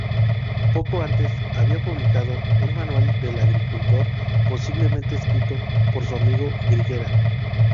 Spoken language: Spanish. Poco antes había publicado un Manual del Agricultor, posiblemente escrito por su amigo Grigera.